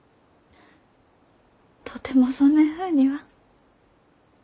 とてもそねんふうには。